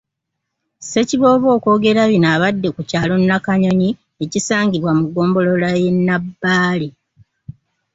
Ssekiboobo okwogera bino abadde ku kyalo Nakanyonyi ekisangibwa mu ggombolola y'e Nabbaale.